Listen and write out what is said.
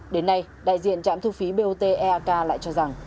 đến nay đại diện trạm thu phí bot eak lại cho rằng